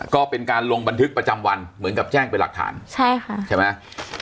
ก็เป็นการลงบันทึกประจำวันเหมือนกับแจ้งเป็นหลักฐานใช่ค่ะใช่ไหม